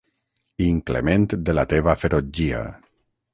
Inclement de la teva ferotgia.